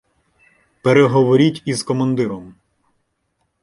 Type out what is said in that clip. Переговоріть із командиром.